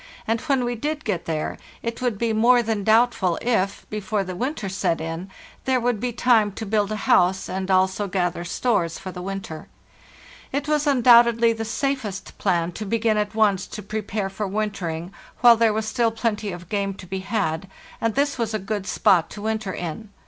392 FARTHEST NORTH when we did get there, it would be more than doubtful if, before the winter set in, there would be time to build a house and also gather stores for the winter. It was undoubtedly the safest plan to begin at once to prepare for wintering while there was still plenty of game to be had; and this was a good spot to winter in.